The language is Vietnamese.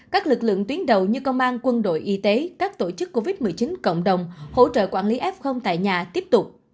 các lực lượng tuyến đầu như công an quân đội y tế các tổ chức covid một mươi chín cộng đồng hỗ trợ quản lý f tại nhà tiếp tục